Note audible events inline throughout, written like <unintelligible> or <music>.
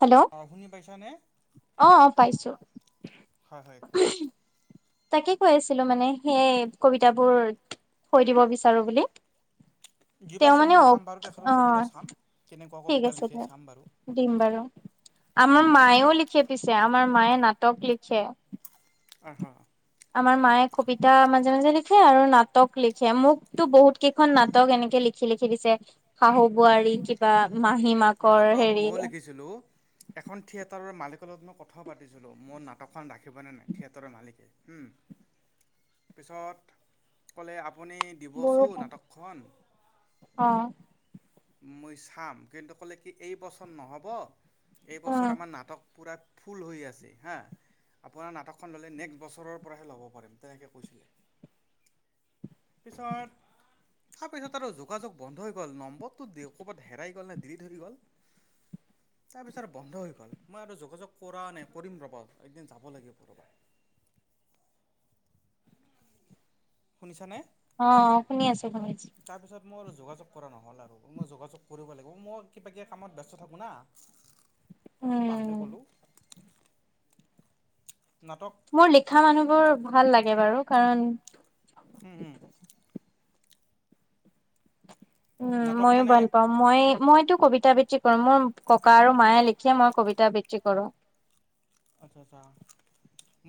Hello, অ', অ', পাইছো। তাকে কৈ আছিলো মানে, সেই কবিতাবোৰ থৈ দিব বিচাৰো বুলি। দিবাচোন মই চাম বাৰু তেখেতৰ কবিতা চাম, কেনেকুৱা কবিতা লিখে চাম বাৰু। আমা মায়েও লিখে পিছে, আমাৰ মায়ে নাটক লিখে। <unintelligible> আমাৰ মায়ে কবিতা মাজে, মাজে লিখে আৰু নাটক লিখে, মোকতো বহুত কেইখন নাটক এনেকে লিখি লিখি দিছে শাহু বোৱাৰী কিবা মাহী মাকৰ হেৰি এখন থিয়েটাৰৰ মালিকৰ লগত মই কথাও পাতিছিলো, মো নাটকখন ৰাখিব নে নাই, থিয়েটাৰৰ মালিকে উম, পিছত ক'লে আপ আপুনি দিবচোন নাটকখন। মই চাম কিন্তু ক'লে কি এই বছৰ ন'হব এই বছৰ আমাৰ নাটক পুৰা ফুল হৈ আছে হা আপোনাৰ নাটকখন ল'লে নেক্সট বছৰৰ পৰাহে ল'ব পাৰিম তেনেকে কৈছিলে। পিছত তাৰপিছত আৰু যোগাযোগ বন্ধ হৈ গ'ল নম্বৰ টো দে ক'ৰবাত হেৰাই গ'ল নে দিলিত হৈ গ'ল তাৰপিছত আৰু বন্ধ হৈ গ'ল। মই আৰু যোগাযোগ কৰা নাই কৰিম ৰব একদিন যাব লাগিব ৰবা। শুনিছানে? অ', শুনি আছোঁ, শুনি আছোঁ। মোৰ যোগাযোগ কৰা নহ'ল আৰু মই যোগাযোগ কৰিব লাগিব মই কিবা কিবি কামত ব্যস্ত থাকো না। পাহৰি গ'লোঁ। মোৰ লিখা মানুহ বোৰ ভাল লাগে বাৰু। কাৰণ হম, হম। উম, ময়ো ভাল পাওঁ মই মইটো কবিতা আবৃত্তি মোৰ ককা আৰু মায়ে লিখিয়ে মই কবিতা আবৃত্তি কৰোঁ। আচ্ছা, আচ্ছা,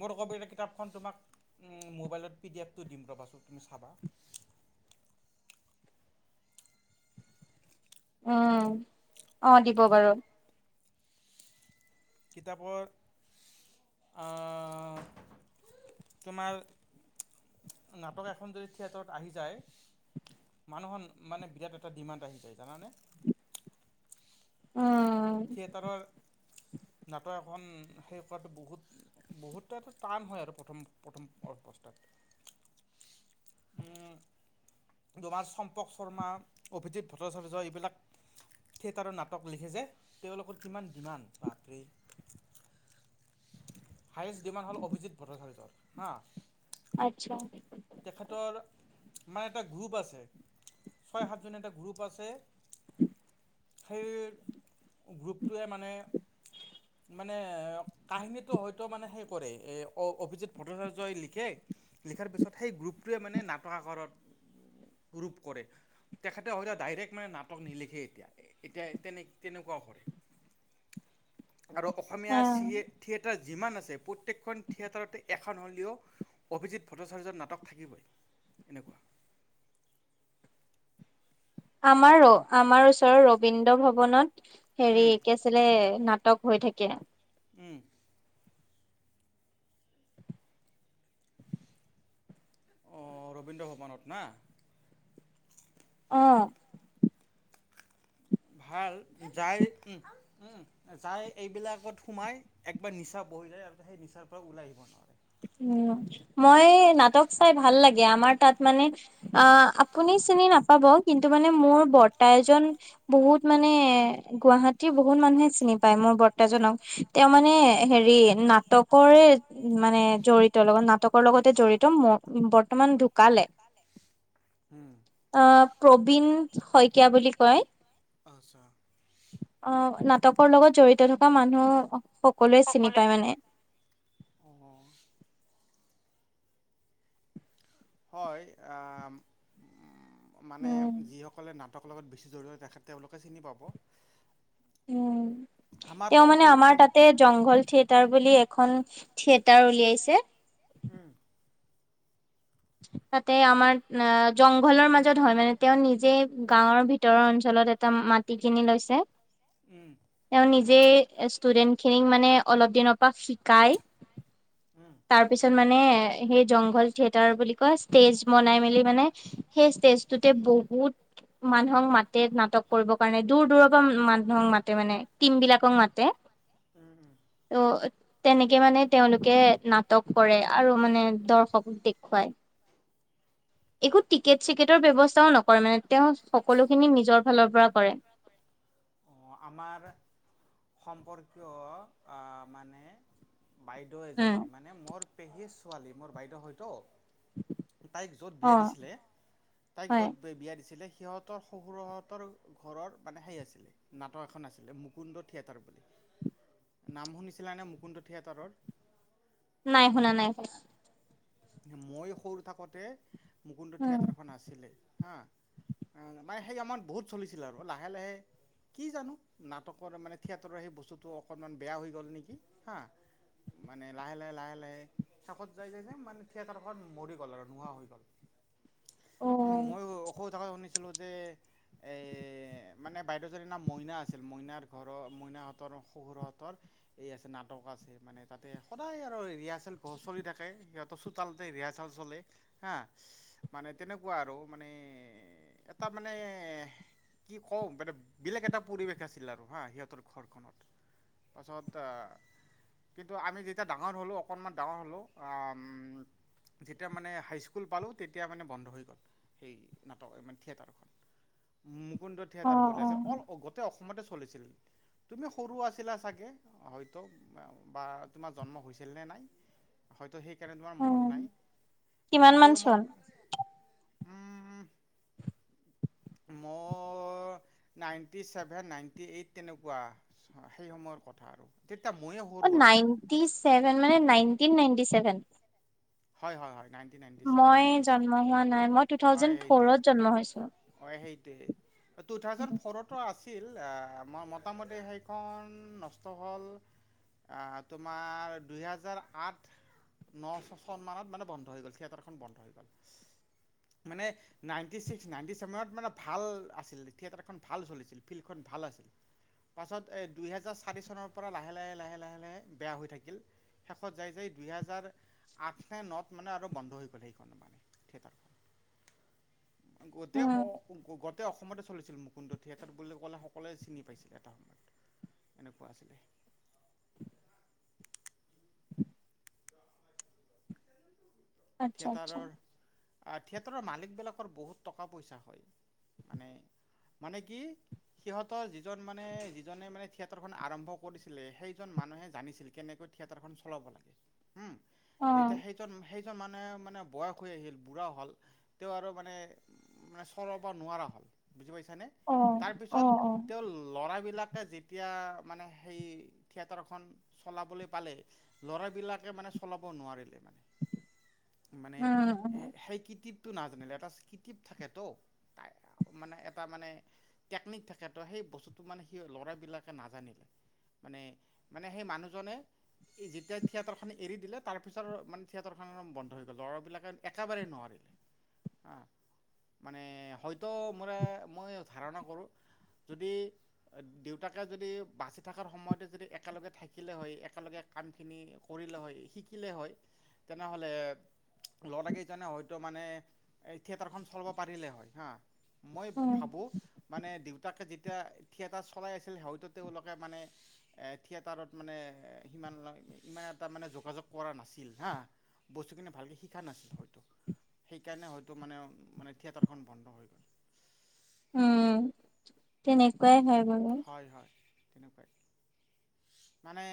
মোৰ কবিতাৰ কিতাপখন তোমাক মোবাইলত পি ডি এফটো দিম ৰ'বা চোন তুমি চাবা। উম, অ', দিব বাৰু। কিতাপৰ আ, তোমাৰ নাটক এখন যদি থিয়েটাৰত আহি যায় মানুহৰ মানে বিৰাট এটা ডিমাণ্ড আহি যায় জানানে। উম। থিয়েটাৰৰ নাটক এখন সেই কৰাটো বহুত, বহুত এটা টান হয় আৰু প্ৰথম, প্ৰথম অৱস্থাত উম, তোমাৰ চম্পক শৰ্মা, অভিজিত ভট্টাচাৰ্য এইবিলাক থিয়েটাৰত নাটক লিখে যে। তেওঁলোকৰ কিমান ডিমাণ্ড বাপৰে। হায়েষ্ট ডিমাণ্ড হ'ল অভিজিত ভট্টাচাৰ্যৰ হা। আচ্ছা। তেখেতৰ মানে এটা গ্ৰুপ আছে, ছয় সাতজনীয়া এটা গ্ৰুপ আছে। <inaudible> সেই গ্ৰুপটোৱে মানে মানে কাহিনীটো হয়তো মানে সেই কৰে, এ অভিজিত ভট্টাচাৰ্যই লিখে লিখাৰ পিছত সেই গ্ৰুপটোৱে মানে নাটক আকাৰত গ্ৰুপ কৰে, তেখেতে হয়টো ডাইৰেক্ট মানে নাটক নিলিখে এতিয়া, এতিয়া তেনে তেনেকুৱাও কৰে। আৰু অসমীয়া চিয়ে থিয়েটাৰ যিমান আছে প্ৰত্যেকখন থিয়েটাৰতে এখন হ'লেও অভিজিত ভট্টাচাৰ্যৰ নাত তক থাকিবই এনেকুৱা। আমাৰো, আমাৰ ওচৰৰ ৰবীন্দ্ৰ ভৱনত হেৰি কি আছিলে নাট টক হৈ থাকে। উম। অ', ৰবীন্দ্ৰ ভৱনত না। অ'। ভাল যাই উম, উম, যাই এইবিলাকত সোমাই একবাৰ নিচা বহি যায় আৰু সেই নিচাৰ পৰা ওলাই আহিব নোৱাৰোঁ। উম, মই নাটক চাই ভাল লাগে, আমাৰ তাত মানে আ আপুনি চিনি নাপাব কিন্তু মানে মোৰ বৰ্তা এজন বহুত মানে গুৱাহাটীৰ বহুত মানুহে চিনি পায় মোৰ বৰ্ত ৰ্তা জনক, তেওঁ মানে হেৰি নাটকৰে নে জড়িত নাটকৰ লগতে জড়িত বৰ্তমান ঢুকালে অ', প্ৰবীণ শইকীয়া বুলি কয় অহ, ন নাটক কৰ লগত জড়িত থকা মানুহ সকলোৱে চিনি পায় মানে। উম। হয়, আম, উম। মানে যিসকলে নাট লগত বেছি জড়িত তেওঁলোকে চিনি পাব, উম তেওঁ মানে আমাৰ তাতে জংঘল থিয়েটাৰ বুলি এখন থিয়েটাৰ উলিয়াইছে। যে তাতে আমাৰ আহ জংঘলৰ মাজত হয় মানে তেওঁ নিজে গাঁৱৰ ভিতৰৰ অঞ্চলত এটা মাটি কিনি লৈছে। তেওঁ নিজে, যে ষ্টুডেন্ট খিনিক মানে অলপ দিনৰ পৰা শিকাই, তাৰ পিছত মানে সেই জংঘল থিয়েটাৰ বুলি কৈ, ষ্টেজ বনাই মেলি মানে সেই ষ্টেজটোতে বহুত মানুহক মাতে নাটক কৰিবৰ কাৰণে দূৰ দূৰৰ পৰা মানুহক মাতে মানে টিম বিলাকক মাতে, তেনেকে মানে তেওঁলোকে, নাটক কৰে আৰু মানে দৰ্শকক দেখুৱাই। একো টিকেট চেকেট, ব্যৱস্থাও নকৰে মানে তেওঁ সকলোখিনি নিজৰ ফালৰ পৰা কৰে। কিয়, মানে, বাইদেউ এজনী মানে মোৰ, পেহীৰ ছোৱালী মোৰ বাইদেউ হয়তো। তাইক য'ত বিয়া দিছিলে, য'ত বিয়া, সিহঁতৰ শঁহুৰৰ ঘৰৰ মানে সেই আছিলে নাটক এখন আছিলে মুকুন্দ থিয়েটাৰ বুলি নাম শুনিছিলে নে মুকুন্দ থিয়েটাৰৰ। নাই শুনা, নাই শুনা। মই সৰু থাকোতে, মুকুন্দ থিয়েটাৰখন আছিলে। হা, মানে সেই আমাৰ বহুত চলিছিল আৰু লাহে লাহে কি জানো নাটকৰ মানে থিয়েটাৰৰ সেই বস্তুটো অকণমান বেয়া হৈ গ'ল নেকি হা মানে লাহে লাহে, লাহে লাহে শেষত যাই যাই যে মানে, থিয়েটাৰখনৰত মৰি গ'ল আৰু নোহোৱা হৈ গ'ল। মইও সৰু থাকোতে শুনি, ছিলো যে এই মানে বাইদেউজনীৰ নাম মইনা আছিল মইনাৰ ঘৰৰ মইনাহঁতৰ শহুৰহঁতৰ এই আছে নাটক আছে মানে তাতে সদায় আৰু ৰিহাৰ্চেল ঘ চলি থাকে সিহঁত, ত চোতালতে ৰিহাৰ্চাল চলে হা মানে তেনেকুৱা আৰু মানে এটা মানে কি কওঁ মানে বেলেগ এটা পৰিৱেশ আছিল আৰু হা সিহঁতৰ ঘৰখনত। তাৰপিছত কিন্তু আমি যেতিয়া ডাঙৰ হ'লোঁ অকণমান ডাঙৰ হ'লোঁ যেতিয়া মানে হাইস্কুল পালোঁ তেতিয়া মানে বন্ধ হৈ গ'ল সেই নাটক মানে থিয়েটাৰখন, কুন্দ থিয়েটাৰ বুলিছিল আছে অল গোটেই অসমতে, হৈছিল তুমি সৰু আছিলা চাগে হয়তো বা তোমাৰ জন্ম হৈছিল নে নাই হয়তো, সেইকাৰণে তোমাৰ মনত নাই মানে সেই সময়ত, মই নাইটি চছেভেন নাইনটি এইট তেনেকুৱা সেই সময়ৰ কথা আৰু নাইনটিছেভেন মানে ন নাইনটি চছেভেন। হয়, হয়, হয়, ন হয়, হেতু হয় হেতু তেওঁ থাউজেণ্ড ফৌৰতু‌ আহি হিল আ, মই মতা মতি সেইখন নস্থ হ'ল তোমাৰ দুই হাজাৰ আঠ ন' সন্ বন্ধ হৈ গৈছিল, থিয়েটাৰখন বন্ধ হৈ গ'ল মানে নাইনটি ছিক্স, নাইনটি চছেভেনত মানে ভাল আছিল থিয়েটাৰখন ভাল চলিছিল ফিল্ডখন ভাল আছিল পাছত এই দুইহেজাৰ চাৰি চনৰ পৰা লাহে, লাহে, লাহে, লাহে বেয়া হৈ থাকিল শেষত যায়, যায় দুই হেজাৰ আঠ নে ন'ত মানে আৰু বন্ধ হৈ গ'ল সেইখন মানে থিয়েটাৰখন। গোটেই অ', গোটেই অস অসময়তে চলিছিল মুকুন্দ থিয়েটাৰ বুলি ক'লে সকলোৱে চিনি পাইছিলে এটা সময়ত, এনেকুৱা আছিলে। আচ্ছা, আচ্ছা। আ, থিয়েটাৰৰ মালিকবিলাকৰ বহুত টকা পইচা হয়, মানে মানে কি সিহঁতৰ যিজন মানে যিজনে মানে থিয়েটাৰখন আৰম্ভ কৰিছিলে সেইজন মানুহে জানিছিল কেনেকৈ থিয়েটাৰখন চলাব লাগে। উম, এতিয়া সেইজন সেই মানে মানে বয়স হৈ আহিল, বুঢ়া হ'ল তেওঁ, আৰু মানে উম, চৰবা নোৱাৰা হ'ল, বুজি পাইছ নে তাৰ পিছত তেওঁৰ ল'ৰাবিলাক যেতিয়া মানে সেই থিয়েটাৰখন চলাবলৈ পালে ল'ৰাবিলাকে মানে চলাব নোৱাৰিলে মানে। মানে এ সেই কৃতিত টো নাজানিলে এটা কিতিপ থাকে ত' মানে এটা মানে টেকনিক থাকে ত' হৈ বস্তুটো ল'ৰাবিলাকে নাজানিলে মানে মানে হৈ মানুহ জনে এই যেতিয়া থিয়েটৰ এৰি দিলে তাৰ পিছৰ মানে বন্ধ হৈ গ'ল ল'ৰাবিলাকে একেবাৰে নোৱাৰিলে হা মানে হয়তো মোৰ মই ধাৰণা কৰোঁ যদি দেউতাকে যদি বাচি থকাৰ সময়তে যদি একেলগে থাকিলে হয় একেলগে কামখিনি কৰিলে হয় শিকিলে হয় তেনেহ'লে ল'ৰাকেইজনে হয়তো মানে এই থিয়েটাৰখন চলাব পাৰিলে হয় হা। মই ভাবো মানে দেউতাকে যেত এতিয়া থিয়েটাৰ চলাই আছিল, হয়তো তেওঁলোকে মানে থিয়েটাৰত মানে সিমান-ইমান এটা মানে যোগাযোগ কৰা নাছিল হা বস্তুখিনি ভালকে শিকা নাছিল, হয়তো সেইকাৰণে হয়তো মানে, মানে থিয়েটাৰখন বন্ধ হৈ গ'ল। উম, তেনেকুৱাই হয় হয় হয়। তেনেকুৱাই মানে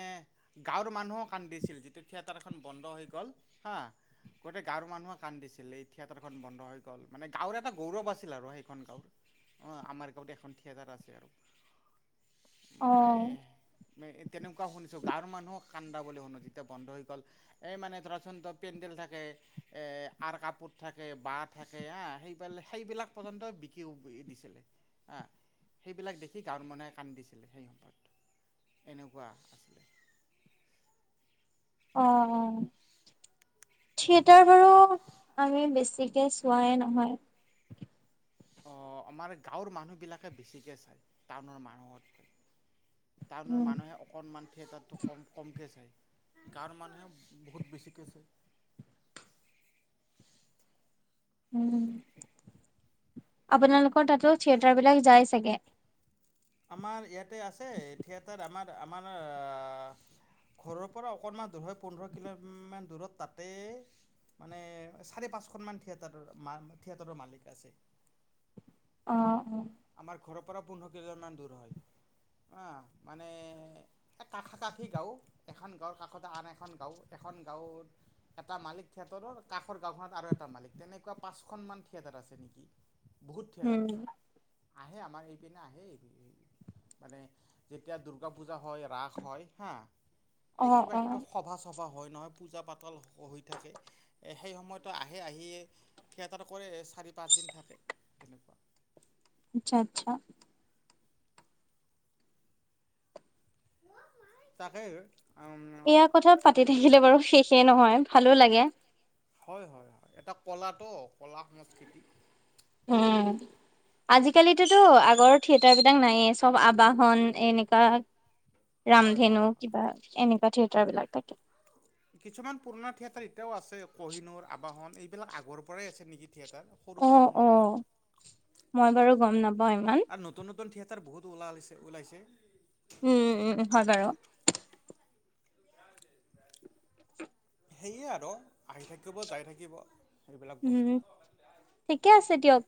গাঁৱৰ মানুহো কান্দিছিল, যিটো থিয়েটাৰখন বন্ধ হৈ গ'ল হা, গোটেই গাঁৱৰ মানুহে কান্দিছিল, এই থিয়েটাৰখন বন্ধ হৈ গ'ল, মানে গাঁৱৰ এটা গৌৰৱ আছিল আৰু সেইখন গাঁৱৰ অ', আমাৰ গাঁৱতে এখন থিয়েটাৰ আছে আৰু। মানে তেনেকুৱা শুনিছোঁ, গাঁৱৰ মানুহো কান্দা বুলি শুনো যেতিয়া বন্ধ হৈ গ'ল, এই মানে ধৰাচোন পেণ্ডেল থাকে, আঁৰ কাপোৰ থাকে, বাঁহ থাকে হা, সেইব-সেইবিলাক পৰ্যন্ত বিক্ৰী দিছিলে হা, সেইবিলাক দেখি গাঁৱৰ মানুহে কান্দিছিলে সেই সময়ত, এনেকুৱা আছিলে। অ', অ' থিয়েটাৰ বাৰু, আমি বেছি কে চোৱাই নহয়। অ', আমাৰ গাঁৱৰ মানুহবিলাকে বেছিকে চায়, টাউনৰ মানুহতকৈ। টাউনৰ মানুহে অকনমান থিয়েটাৰটো কম-কমকে চায়। গাঁৱৰ মানুহে বহুত বেছিকৈ চাই। উম, আপোনালোকৰ তাতো থিয়েটাৰবিলাক যায় চাগে? আমাৰ ইয়াতে আছে, থিয়েটাৰ আমাৰ-আমাৰ ঘৰৰ পৰা অকণমান দূৰ হয়, পোন্ধৰ কিলোমান দূৰত, তাতে মানে চাৰি পাঁচখন থিয়েটাৰৰ-থিয়েটাৰৰ মালিক আছে। অ', অ'। আমাৰ ঘৰৰ পৰা পোন্ধৰ কিলোমিটাৰমান দূৰ হয়, হা, মানে কাষা-কাষি গাঁও, এখন গাঁৱৰ কাষতে আন এখন গাঁও, এখন গাঁৱত এটা মালিক থিয়েটাৰৰ, কাষৰ গাঁওখনত আৰু এটা মালিক, তেনেকুৱা পাঁচখনমান থিয়েটাৰ আছে নেকি। বহুত থিয়েটাৰ আছে। আহে আমাৰ এইপিনে আহে, মানে যেতিয়া দূৰ্গা পূজা হয়, ৰাস হয়, হা এই কিবা, কিবা সভা ছভ হয়, নহয় পূজা পাতল হৈ থাকে সেই সময়তো আহে, আহি থিয়েটাৰ কৰে, চাৰি-পাঁচদিন থাকে তেনেকুৱা। আচ্ছা-আচ্ছা। তাকেই, অ। এয়া কথা পাতি থাকিলে বাৰু শেষে নহয়, ভালো লাগে। হয়-হয়-হয়, এটা কলটো, কলা সংস্কৃতি। উম, আজিকালিততো আগৰ থিয়েটাৰ বিলাক নায়ে, চব আবাহন এনেকুৱা। ৰামধেনু কিবা এনেকা। থিয়েটাৰ বিলাক তাকে। কিছুমান পুৰণা থিয়েটাৰ এতিয়াও আছে, কহিনুৰ। আৱাহন, এইবিলাক আগৰ পৰাই আছে নেকি। অ'-অ', মই বাৰু গম নাপাওঁ ইমান। তাৰ বহুত ওলাইছে-ওলাইছে। উম-উম, হয় বাৰু। সেয়ে আৰু আহি থাকিব, যাই থাকিব। উম, ঠিকে আছে দিয়ক।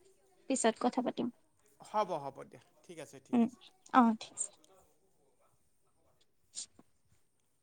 পিছত কথা পাতিম। হ'ব-হ'ব দিয়া। উম, অ, ঠিক আছে। <inaudible>